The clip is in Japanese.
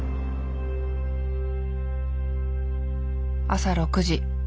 朝６時